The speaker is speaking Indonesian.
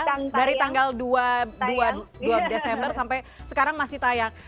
karena dari tanggal dua desember sampai sekarang masih tayang